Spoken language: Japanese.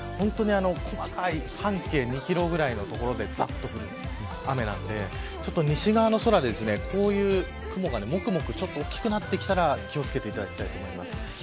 細かい、半径２キロぐらいの所でざっと降る雨なので西側の空でこういう雲がもくもく大きくなってきたら気を付けていただきたいと思います。